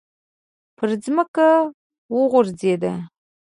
پر ځمکه وغورځېد.